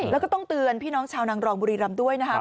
แล้วก็ต้องเตือนพี่น้องชาวนางรองบุรีรำด้วยนะครับ